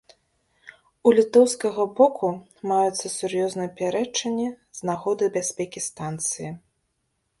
У літоўскага боку маюцца сур'ёзныя пярэчанні з нагоды бяспекі станцыі.